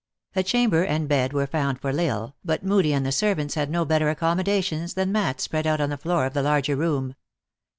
A chamber and bed were found for L Isle, but Moodie and the servants had no better accommodations than mats spread on the floor of the larger room.